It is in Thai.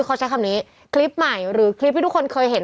เขาใช้คำนี้คลิปใหม่หรือคลิปที่ทุกคนเคยเห็น